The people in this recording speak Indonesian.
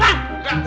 engga gua mau keluar